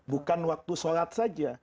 bukan waktu sholat saja